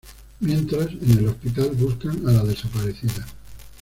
Mientras, en el hospital buscan a la desaparecida.